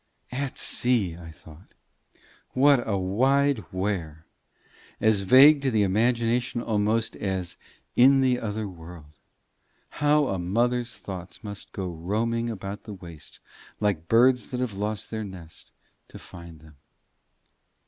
At sea! I thought. What a wide where! As vague to the imagination, almost, as in the other world. How a mother's thoughts must go roaming about the waste, like birds that have lost their nest, to find them!